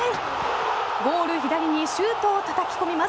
ゴール左にシュートをたたき込みます。